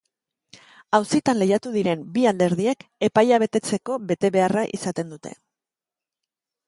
Auzitan lehiatu diren bi alderdiek epaia betetzeko betebeharra izaten dute.